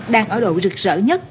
đang ở độ rực rỡ nhất